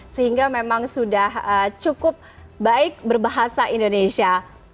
sehingga memang sudah cukup baik berbahasa indonesia